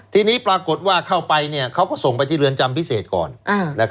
ทีนี้ปรากฏว่าเข้าไปเขาก็ส่งไปที่เรือนจำพิเศษก่อน